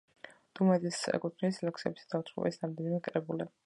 დუმბაძეს ეკუთვნის ლექსებისა და მოთხრობების რამდენიმე კრებული.